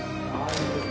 いいです